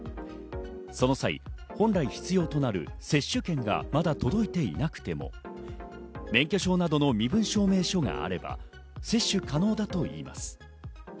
その際、本来必要となる接種券がまだ届いていなくても免許証などの身分証明書があれば接種可能だといいます。